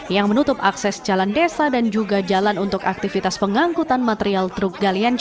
yang menutup akses jalan desa dan juga jalan untuk aktivitas pengangkutan material truk galian c